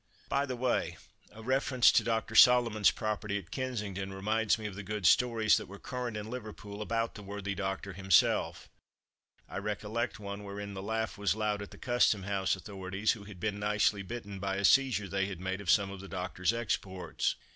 By the way, a reference to Dr. Solomon's property, at Kensington, reminds me of the good stories that were current in Liverpool about the worthy doctor himself. I recollect one wherein the laugh was loud at the Custom house authorities, who had been nicely bitten by a seizure they had made of some of the doctor's "exports."